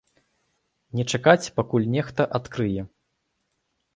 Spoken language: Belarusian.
Не чакаць, пакуль нехта адкрые.